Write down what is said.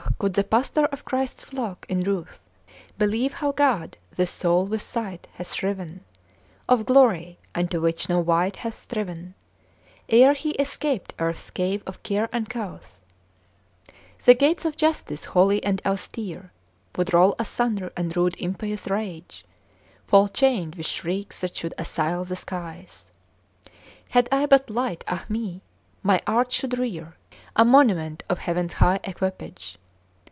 could the Pastor of Christ's flock in ruth Believe how God this soul with sight hath shriven Of glory unto which no wight hath striven Ere he escaped earth's cave of care uncouth; The gates of Justice, holy and austere, Would roll asunder, and rude impious Rage Fall chained with shrieks that should assail the skies. Had I but light, ah me! my art should rear A monument of Heaven's high equipage!